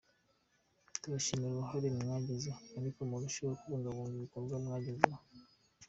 Ndabashimira uruhare mwagize, ariko murusheho kubungabunga ibikorwa mwagezeho.